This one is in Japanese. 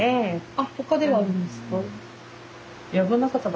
あっ他ではあるんですか？